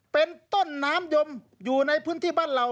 เป็นต้นน้ำยมอยู่ในพื้นที่บ้านเหล่า